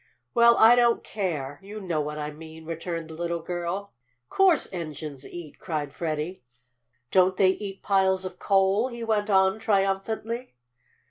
"Well, I don't care! You know what I mean," returned the little girl. "Course engines eat!" cried Freddie. "Don't they eat piles of coal?" he went on triumphantly.